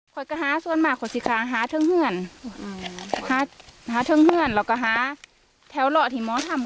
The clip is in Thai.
ขดกระฮาส่วนมากขดสิทธิ์ค้างหาเทิงเหื่อนหาเทิงเหื่อนแล้วก็หาแถวหลอที่ม้อทำ